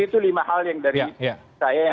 itu lima hal yang dari saya